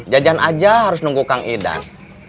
jajan aja harus nunggu kang idang